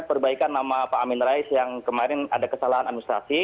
perbaikan nama pak amin rais yang kemarin ada kesalahan administrasi